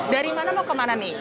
dari mana mau kemana nih